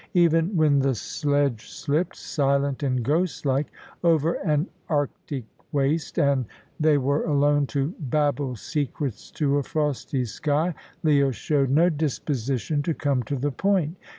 Even when the sledge slipped, silent and ghost like, over an Arctic waste, and they were alone to babble secrets to a frosty sky, Leah showed no disposition to come to the point.